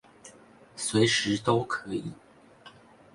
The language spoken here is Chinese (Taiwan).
隨時都可以